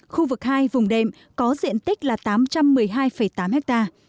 khu vực hai vùng đềm có diện tích là tám trăm một mươi hai tám ha